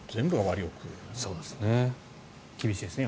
厳しいですね。